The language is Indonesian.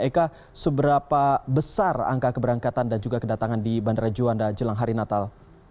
eka seberapa besar angka keberangkatan dan juga kedatangan di bandara juanda jelang hari natal